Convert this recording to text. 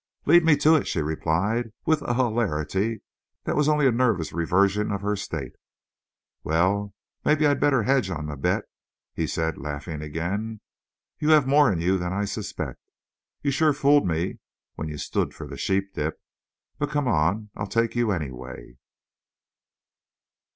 "Lead me to it!" she replied, with a hilarity that was only a nervous reversion of her state. "Well, maybe I'd better hedge on the bet," he said, laughing again. "You have more in you than I suspect. You sure fooled me when you stood for the sheep dip. But, come on, I'll take you anyway."